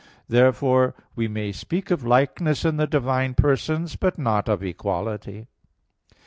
Therefore, we may speak of likeness in the divine persons, but not of equality.